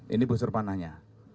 ini busur panahnya